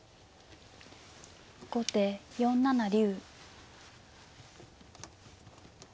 後手４七竜。